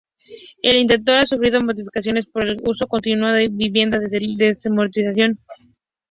El interior ha sufrido modificaciones por el uso continuado de viviendas desde la desamortización.